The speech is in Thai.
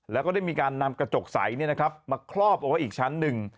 แล้วก็ได้มีการนำกระจกใสเนี่ยนะครับมาคลอบออกอีกชั้นหนึ่ง